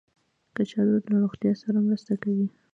کچالو له روغتیا سره مرسته کوي